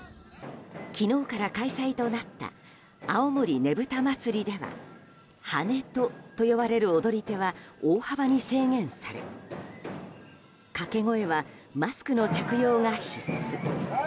昨日から開催となった青森ねぶた祭ではハネトと呼ばれる踊り手は大幅に制限され掛け声はマスクの着用が必須。